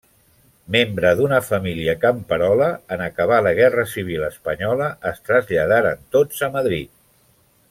Membre d'una família camperola, en acabar la Guerra Civil espanyola es traslladaren tots a Madrid.